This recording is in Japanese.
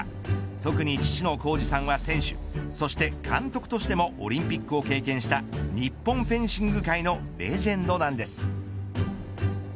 特に父の宏二さんは選手そして監督としてもオリンピックを経験した日本フェンシング界のレジェンドなんです。